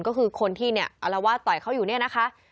ก็คือคนที่เนี่ยอารวาสต่อยเขาอยู่เนี่ยนะคะ